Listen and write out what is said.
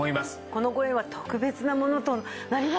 このご縁は特別なものとなりますね。